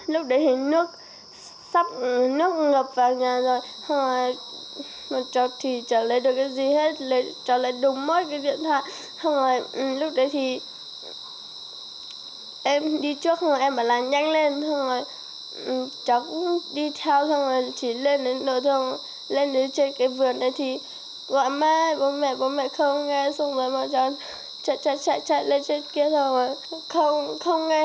lúc đấy thì nước sắp ngập vào nhà rồi hôm rồi trò thì trả lấy được cái gì hết trả lấy đúng mối cái điện thoại